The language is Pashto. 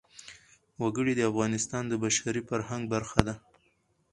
وګړي د افغانستان د بشري فرهنګ برخه ده.